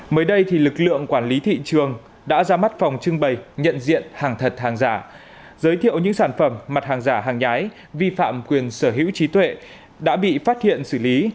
mới đây lực lượng quản lý thị trường đã ra mắt phòng trưng bày nhận diện hàng thật hàng giả giới thiệu những sản phẩm mặt hàng giả hàng nhái vi phạm quyền sở hữu trí tuệ đã bị phát hiện xử lý